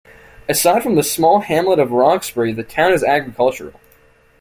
Aside from the small hamlet of Roxbury, the town is agricultural.